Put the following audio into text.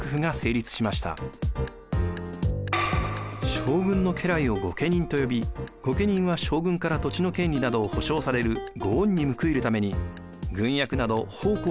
将軍の家来を御家人とよび御家人は将軍から土地の権利などを保証される御恩に報いるために軍役など奉公の義務を負いました。